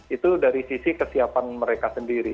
itu dari sisi kesiapan mereka sendiri